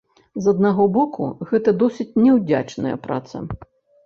З аднаго боку, гэта досыць няўдзячная праца.